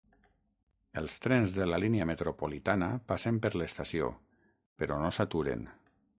Els trens de la línia metropolitana passen per l'estació, però no s'aturen.